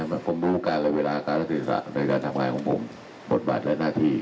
มากรมบุการและเวลาการศึกษาในการทำงานของผมบทบาทและหน้าที่